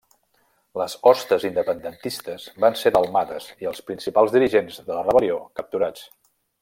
Les hosts independentistes van ser delmades i els principals dirigents de la rebel·lió capturats.